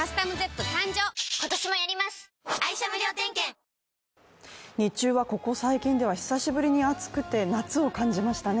「ハミング」史上Ｎｏ．１抗菌日中はここ最近では久しぶりに暑くて夏を感じましたね。